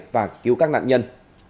và cứu các nạn nhân